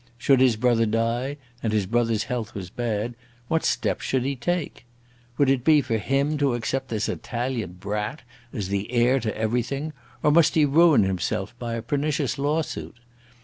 Should his brother die, and his brother's health was bad, what steps should he take? Would it be for him to accept this Italian brat as the heir to everything, or must he ruin himself by a pernicious lawsuit?